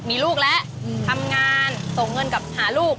มีลูกแล้วทำงานส่งเงินกับหาลูก